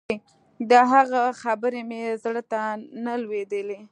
د هغه خبرې مې زړه ته نه لوېدې.